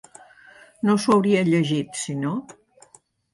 No s'ho hauria llegit, sinó?